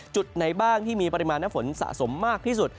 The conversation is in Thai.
จุดไหนบ้างที่มีปริมาณน้ำฝนสะสมมากที่สุด